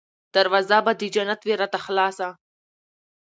دروازه به د جنت وي راته خلاصه